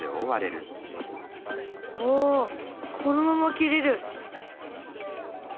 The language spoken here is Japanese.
あこのまま切れる。